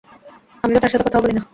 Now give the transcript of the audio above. আমি তো তার সাথে কথাও বলি না।